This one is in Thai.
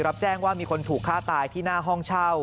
รับแจ้งว่ามีคนถูกฆ่าตายที่หน้าห้องเช่า